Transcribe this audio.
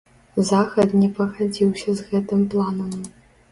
Захад не пагадзіўся з гэтым планам.